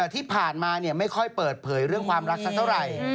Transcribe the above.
ที่ผ่านมาไม่ค่อยเปิดเผยเรื่องความรักสักเท่าไหร่